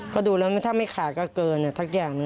ก็ดูแล้วถ้าไม่ขาดก็เกินสักอย่าง